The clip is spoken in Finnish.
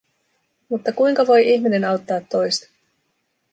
Mutta kuinka voi ihminen auttaa toista?